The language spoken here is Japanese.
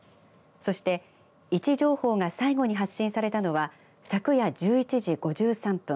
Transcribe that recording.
そして位置情報が最後に発信されたのは昨夜１１時５３分